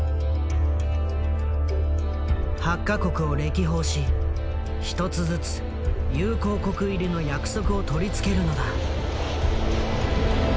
８か国を歴訪し１つずつ友好国入りの約束を取り付けるのだ。